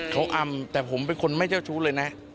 เขาอำแต่ผมเป็นคนไม่เจ้าชู้เลยนะ